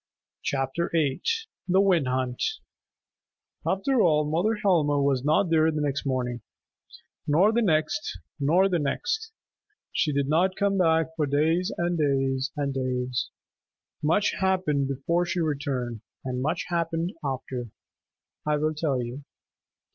CHAPTER IX THE WIND HUNT After all, Mother Helma was not there the next morning, nor the next, nor the next. She did not come back for days and days and days. Much happened before she returned, and much happened after. I will tell you.